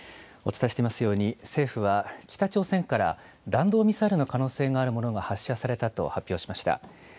お伝えしていますように、政府は、北朝鮮から弾道ミサイルの可能性があるものが発射されたと発表しました。